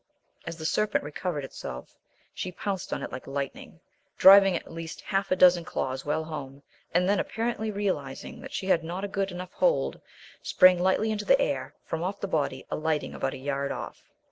As the serpent recovered itself, she pounced on it like lightning, driving at least half a dozen claws well home, and then, apparently realizing that she had not a good enough hold, sprang lightly into the air from off the body, alighting about a yard off.